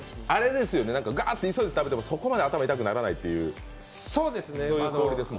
ガーっと急いで食べてもそこまで頭痛くならない氷ですよね。